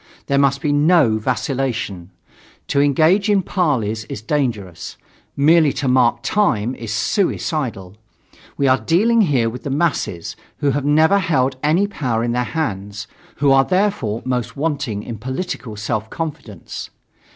There must be no vacillation. To engage in parleys is dangerous; merely to mark time is suicidal. We are dealing here with the masses, who have never held any power in their hands, who are therefore most wanting in political self confidence.